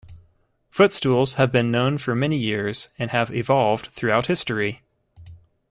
Footstools have been known for many years, and have evolved throughout history.